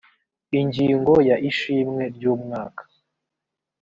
ingingo ya ishimwe ry umwaka